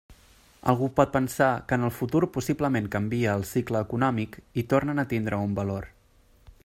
Algú pot pensar que en el futur possiblement canvie el cicle econòmic i tornen a tindre un valor.